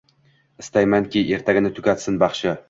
…Istaymanki, ertagini tugatsin baxshi